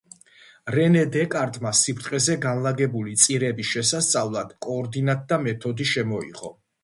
რენე დეკარტმა სიბრტყეზე განლაგებული წირების შესასწავლად კოორდინატთა მეთოდი შემოიღო.